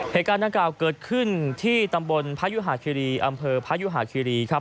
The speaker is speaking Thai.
เหตุการณ์ดังกล่าวเกิดขึ้นที่ตำบลพระยุหาคิรีอำเภอพยุหาคิรีครับ